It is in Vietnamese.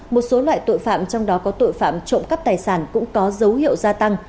một số loại tội phạm trong đó có tội phạm trộm cắp tài sản cũng có dấu hiệu gia tăng